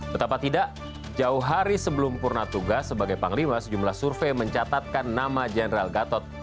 betapa tidak jauh hari sebelum purna tugas sebagai panglima sejumlah survei mencatatkan nama general gatot